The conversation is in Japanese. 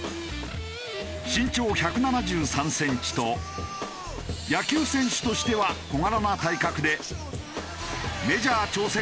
身長１７３センチと野球選手としては小柄な体格でメジャー挑戦